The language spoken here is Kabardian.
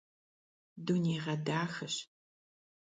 Дунейгъэдахэщ.